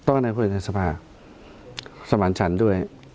ต้องการให้พูดถึงรัฐสภาพสมันต์ฉันด้วย